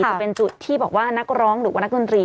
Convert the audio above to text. จะเป็นจุดที่บอกว่านักร้องหรือว่านักดนตรี